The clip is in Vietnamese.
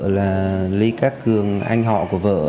vợ là lý cát cường anh họ của vợ